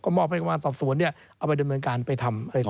ก็มอบให้หลักฐานสอบสวนขาไปทำอะไรต่อ